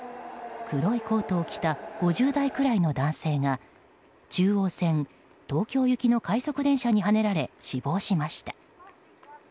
黒いコートを着た５０代くらいの男性が中央線東京行きの快速電車にはねられ死亡しました。